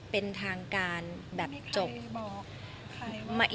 เป็นทางการแบบจบมีใครบอก